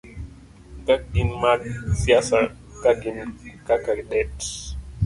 Ka ginmag siasa ka gin kaka det-